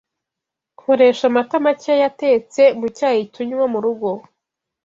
Nkoresha amata makeya atetse mu cyayi tunywa mu rugo